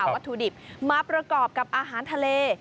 วัตถุดิบมาประกอบกับอาหารทะเล